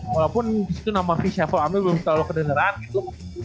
walaupun di situ nama vychefo amir belum terlalu kebeneran gitu